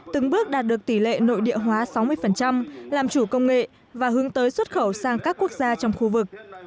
từng bước đạt được tỷ lệ nội địa hóa sáu mươi làm chủ công nghệ và hướng tới xuất khẩu sang các quốc gia trong khu vực